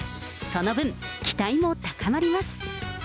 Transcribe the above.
その分、期待も高まります。